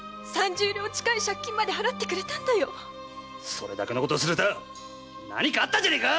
それだけのことをするとは何かあったんじゃねえか